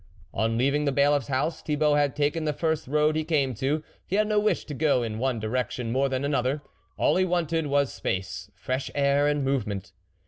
On leaving the Bailiffs house, Thibault had taken the first road he came to ; he had no wish to go in one direction more than another, all he wanted was space, fresh air and movement.